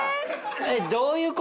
「えっどういう事！？」